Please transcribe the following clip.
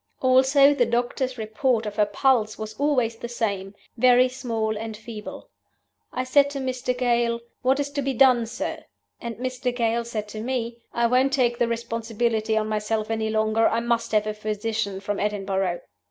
Also, the doctor's report of her pulse was always the same 'very small and feeble.' I said to Mr. Gale, 'What is to be done, sir?' And Mr. Gale said to me, 'I won't take the responsibility on myself any longer; I must have a physician from Edinburgh.